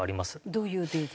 どういうデータ？